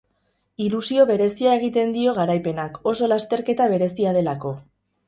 Ilusio berezia egiten dio garaipenak, oso lasterketa berezia delako.